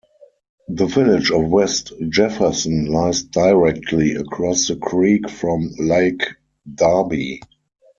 The village of West Jefferson lies directly across the creek from Lake Darby.